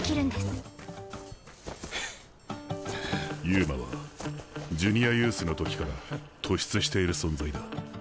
遊馬はジュニアユースの時から突出している存在だ。